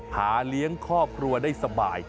หาเลี้ยงครอบครัวได้สบาย